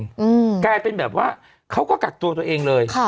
มันรูปมากแกรดเป็นแบบว่าเขาก็กัดตัวตัวเองเลย